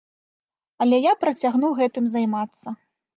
Але я працягну гэтым займацца.